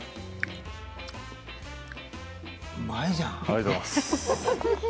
うまいじゃん。